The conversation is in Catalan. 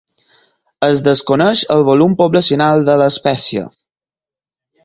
Es desconeix el volum poblacional de l'espècie.